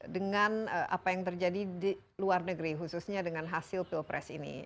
dengan apa yang terjadi di luar negeri khususnya dengan hasil pilpres ini